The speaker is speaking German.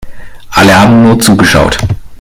Alle haben nur zugeschaut.